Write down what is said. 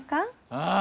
ああ。